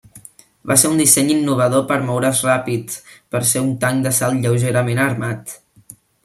Va ser un disseny innovador per moure's ràpid, per ser un tanc d'assalt lleugerament armat.